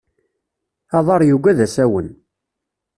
Aḍar yugad asawen.